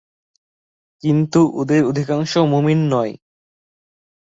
কিন্তু ওদের অধিকাংশই মুমিন নয়।